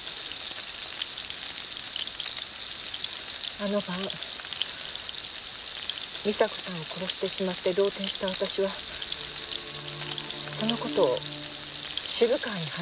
あの晩美砂子さんを殺してしまって動転した私はそのことを渋川に話したんです。